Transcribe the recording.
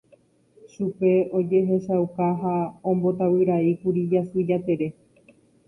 Chupe ojehechauka ha ombotavyraíkuri Jasy Jatere.